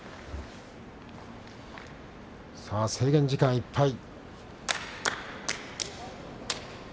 さあ制限時間いっぱい。